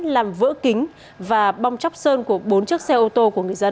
làm vỡ kính và bong chóc sơn của bốn chiếc xe ô tô của người dân